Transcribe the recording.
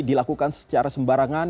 dilakukan secara sembarangan